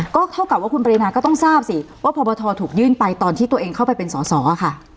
ก็เท่ากับว่าคุณปรินาก็ต้องทราบสิว่าพบทถูกยื่นไปตอนที่ตัวเองเข้าไปเป็นสอสอค่ะ